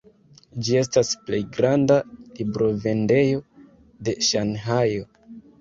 Ĝi estas plej granda librovendejo de Ŝanhajo.